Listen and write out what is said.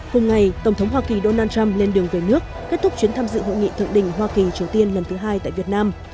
cùng ngày tổng thống hoa kỳ donald trump lên đường về nước kết thúc chuyến tham dự hội nghị thượng đỉnh hoa kỳ triều tiên lần thứ hai tại việt nam